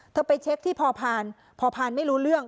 ไปเช็คที่พอพานพอพานไม่รู้เรื่อง